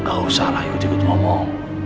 gak usah lah ikut ikut ngomong